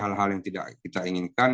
hal hal yang tidak kita inginkan